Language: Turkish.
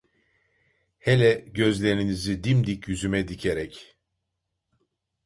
Hele, gözlerinizi dimdik yüzüme dikerek: